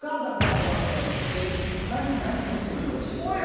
何時何分見てよろしいですか？